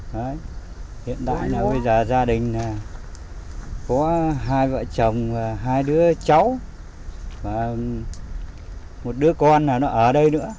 hiện tại là gia đình có hai vợ chồng hai đứa cháu và một đứa con nó ở đây nữa